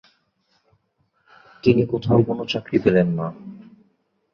তিনি কোথাও কোন চাকরি পেলেন না।